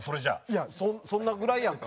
いやそんなぐらいやんか。